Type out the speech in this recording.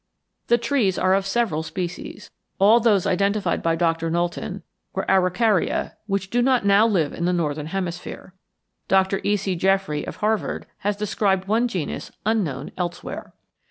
The trees are of several species. All those identified by Doctor Knowlton were Araucaria, which do not now live in the northern hemisphere. Doctor E.C. Jeffrey, of Harvard, has described one genus unknown elsewhere.